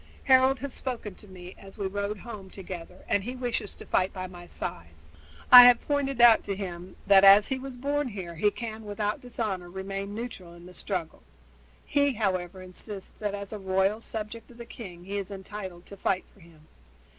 Harold has spoken to me as we rode home together, and he wishes to fight by my side. I have pointed out to him that as he was born here he can without dishonor remain neutral in the struggle. He, however, insists that as a royal subject of the king he is entitled to fight for him.